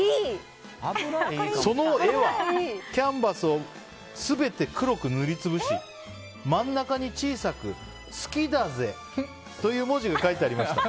その絵は、キャンバスを全て黒く塗り潰し真ん中に小さく好きだぜという文字が書いてありました。